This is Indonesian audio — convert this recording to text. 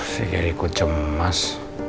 si geri ku cemas